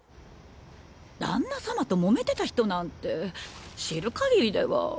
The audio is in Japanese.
旦那様ともめてた人なんて知る限りでは。